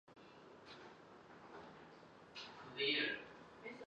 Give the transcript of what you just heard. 接着罗宾逊号被派往法国海域护航商船。